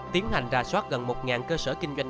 tiến hành ra soát gần một nghìn cơ sở kinh doanh